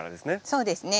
そうですね。